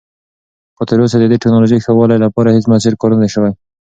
خو تراوسه د دې تکنالوژۍ ښه والي لپاره هیڅ مؤثر کار نه دی شوی.